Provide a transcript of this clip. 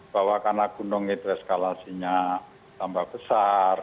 bahwa karena gunung nge treskalasinya tambah besar